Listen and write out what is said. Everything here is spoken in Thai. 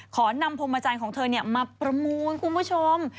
ขอนำพรมใจของเธอมาประมูลคุณผู้ชม